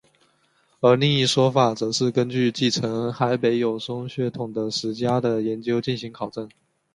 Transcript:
而另一说法则是根据继承海北友松血统的史家的研究进行考证。